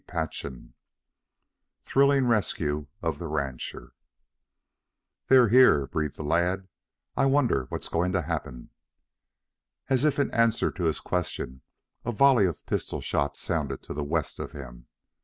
CHAPTER XX THRILLING RESCUE OF THE RANCHER "They're here," breathed the lad. "I wonder what's going to happen." As if in answer to his question, a volley of pistol shots sounded to the west of him.